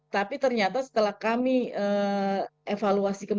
tapi ternyata setelah kami evaluasikan